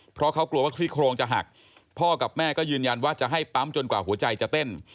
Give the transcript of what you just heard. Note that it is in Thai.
เพราะเขากลัวว่าซี่โครงจะหักพ่อกับแม่ก็ยืนยันว่าจะให้ปั๊มจนกว่าหัวใจจะเต้น